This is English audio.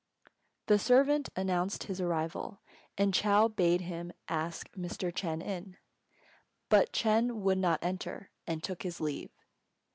The servant announced his arrival, and Chou bade him ask Mr. Ch'êng in. But Ch'êng would not enter, and took his leave.